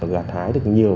gạt thái được nhiều